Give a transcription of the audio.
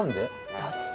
だって。